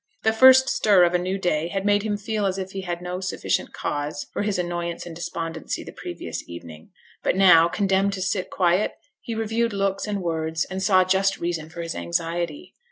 The first stir of a new day had made him feel as if he had had no sufficient cause for his annoyance and despondency the previous evening; but now, condemned to sit quiet, he reviewed looks and words, and saw just reason for his anxiety.